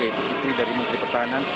yang dikirim dari menteri pertahanan